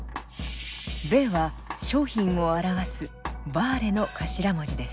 「Ｗ」は商品を表す「Ｗａｒｅ」の頭文字です。